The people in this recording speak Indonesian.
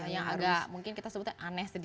yang agak mungkin kita sebutnya aneh sedikit